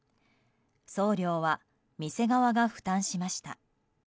送料は店側が負担しました。